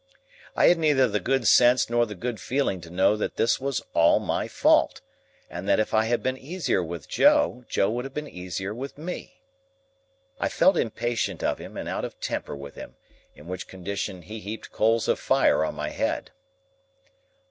I had neither the good sense nor the good feeling to know that this was all my fault, and that if I had been easier with Joe, Joe would have been easier with me. I felt impatient of him and out of temper with him; in which condition he heaped coals of fire on my head.